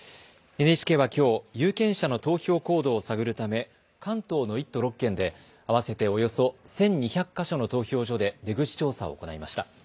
ＮＨＫはきょう、有権者の投票行動を探るため関東の１都６県で合わせておよそ１２００か所の投票所で出口調査を行いました。